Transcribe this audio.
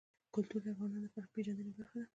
کلتور د افغانانو د فرهنګي پیژندنې برخه ده.